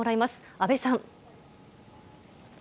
安部さん。